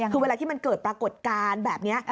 คือเวลาที่มันเกิดปรากฏการณ์แบบนี้